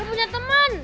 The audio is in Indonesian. lu punya temen